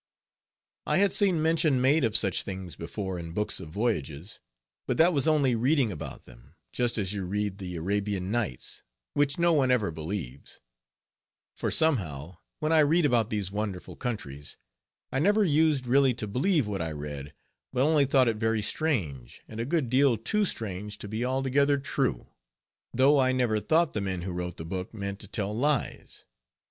I had seen mention made of such things before, in books of voyages; but that was only reading about them, just as you read the Arabian Nights, which no one ever believes; for somehow, when I read about these wonderful countries, I never used really to believe what I read, but only thought it very strange, and a good deal too strange to be altogether true; though I never thought the men who wrote the book meant to tell lies.